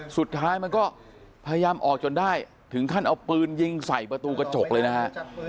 สุดท้ายมันก็พยายามออกจนได้ถึงขั้นเอาปืนยิงใส่ประตูกระจกเลยนะฮะ